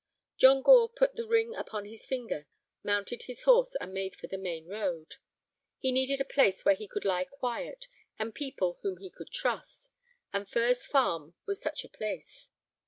John Gore put the ring upon his finger, mounted his horse, and made for the main road. He needed a place where he could lie quiet, and people whom he could trust, and Furze Farm was such a place.